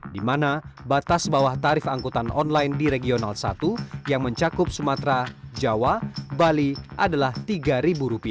di mana batas bawah tarif angkutan online di regional satu yang mencakup sumatera jawa bali adalah rp tiga